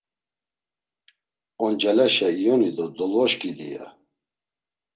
Oncaleşa iyoni do dolvoşǩidi, ya.